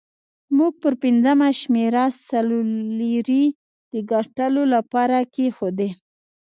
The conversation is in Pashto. موږ پر پنځمه شمېره سلو لیرې د ګټلو لپاره کېښودې.